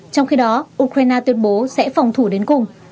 trong khi đó ukraine tuyên bố sẽ phòng thủ đến cùng